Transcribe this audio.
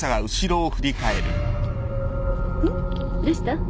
どうした？